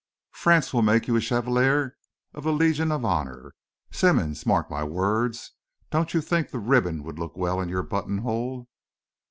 France will make you a chevalier of the Legion of Honour, Simmonds, mark my words. Don't you think the ribbon would look well in your button hole?"